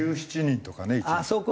１７人とかね一日。